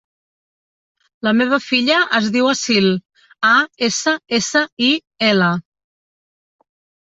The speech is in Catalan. La meva filla es diu Assil: a, essa, essa, i, ela.